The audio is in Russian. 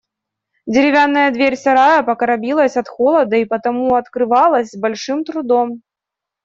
Деревянная дверь сарая покоробилась от холода и потому открывалась с большим трудом.